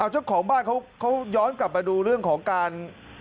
เจ้าของบ้านเขาย้อนกลับมาดูเรื่องของการ